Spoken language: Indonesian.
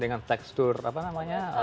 dengan tekstur apa namanya